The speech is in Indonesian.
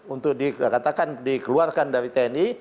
untuk dikatakan dikeluarkan dari tni